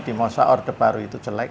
di masa orde baru itu jelek